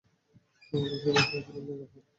সে বলেছিল যে, তুমি নিরাপদ।